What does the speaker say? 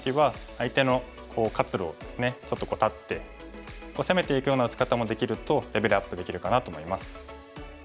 相手の活路をですねちょっと断って攻めていくような打ち方もできるとレベルアップできるかなと思います。